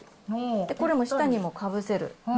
これの下にもかぶせる。